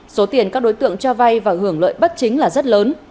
số tiền các đối tượng cho vay và hưởng lợi bất chính là rất lớn